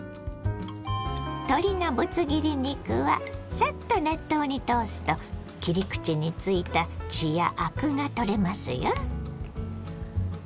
鶏のブツ切り肉はサッと熱湯に通すと切り口についた血やアクが取れますよ。